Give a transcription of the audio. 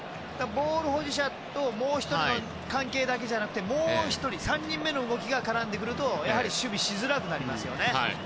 ボール保持者ともう１人の関係だけじゃなくてもう１人、３人目の動きが絡んでくるとやはり守備しづらくなりますね。